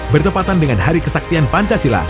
bertepatan dengan hari kesaktian pancasila